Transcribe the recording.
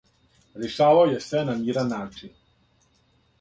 Решавао је све на миран начин.